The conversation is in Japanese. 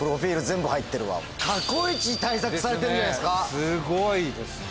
すごいです。